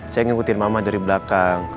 saya ngikutin mama dari belakang